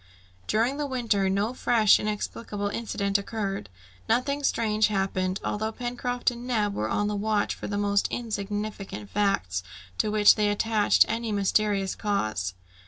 During this winter, no fresh inexplicable incident occurred. Nothing strange happened, although Pencroft and Neb were on the watch for the most insignificant facts to which they attached any mysterious cause.